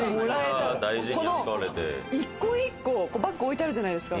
この１個１個バッグを置いてあるじゃないですか。